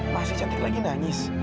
masih cantik lagi nangis